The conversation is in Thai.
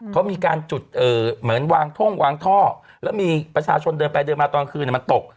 เขามีการจุดเหมือนวางท่งวางท่อแล้วมีประชาชนเดินไปเดินมาตอนคืนมันตก